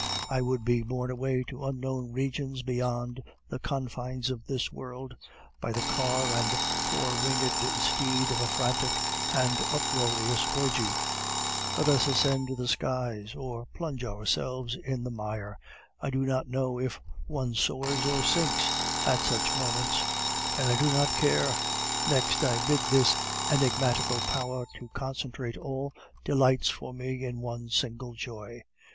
I would be borne away to unknown regions beyond the confines of this world, by the car and four winged steed of a frantic and uproarious orgy. Let us ascend to the skies, or plunge ourselves in the mire. I do not know if one soars or sinks at such moments, and I do not care! Next, I bid this enigmatical power to concentrate all delights for me in one single joy.